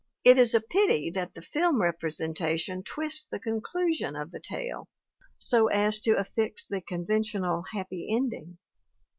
It is a pity that the film representation twists the conclusion of the tale so as to affix the conventional happy ending.